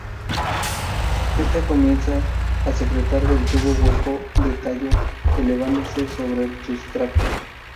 Esta comienza a secretar el tubo hueco de tallo, elevándose sobre el sustrato.